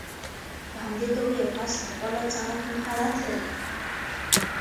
په همدې توګه یو کس په خپله څانګه کې مهارت لري.